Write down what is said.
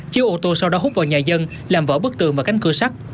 chiếc ô tô sau đó hút vào nhà dân làm vỡ bức tường và cánh cửa sắt